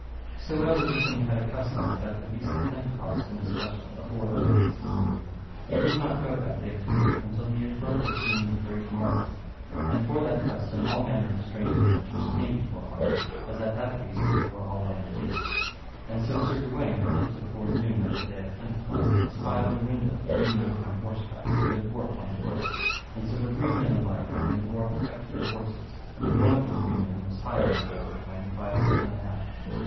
So ever the king had a custom that at the feast of Pentecost in especial, afore other feasts in the year, he would not go that day to meat until he had heard or seen of a great marvel. And for that custom all manner of strange adventures came before Arthur as at that feast before all other feasts. And so Sir Gawaine, a little to fore noon of the day of Pentecost, espied at a window three men upon horseback, and a dwarf on foot, and so the three men alighted, and the dwarf kept their horses, and one of the three men was higher than the other twain by a foot and an half.